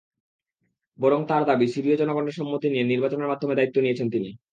বরং তাঁর দাবি, সিরীয় জনগণের সম্মতি নিয়ে নির্বাচনের মাধ্যমে দায়িত্ব নিয়েছেন তিনি।